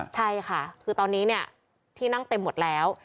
ใช่ค่ะคือตอนนี้เนี่ยที่นั่งเต็มหมดแล้ว